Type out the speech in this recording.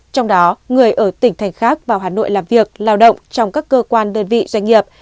trong đó người ở tỉnh thành khác vào hà nội làm việc lao động trong các cơ quan đơn vị doanh nghiệp